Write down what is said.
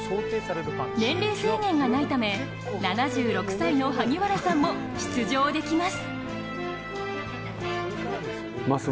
年齢制限がないため７６歳の萩原さんも出場できます。